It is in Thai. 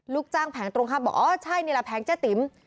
ลูกจ้างแผงตรงข้ามบอกอ๋อใช่นี่แหละแผงเจ๊ติ๋ม